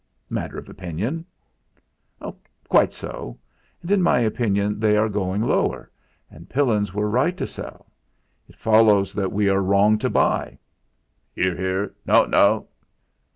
"Matter of opinion." "Quite so; and in my opinion they are going lower, and Pillins were right to sell. It follows that we are wrong to buy." ("Hear, hear!" "No, no!")